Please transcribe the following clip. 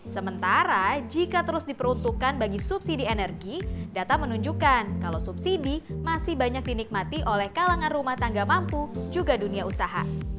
sementara jika terus diperuntukkan bagi subsidi energi data menunjukkan kalau subsidi masih banyak dinikmati oleh kalangan rumah tangga mampu juga dunia usaha